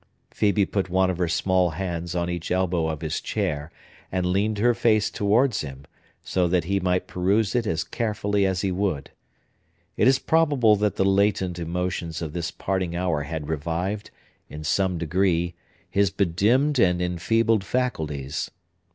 Phœbe put one of her small hands on each elbow of his chair, and leaned her face towards him, so that he might peruse it as carefully as he would. It is probable that the latent emotions of this parting hour had revived, in some degree, his bedimmed and enfeebled faculties.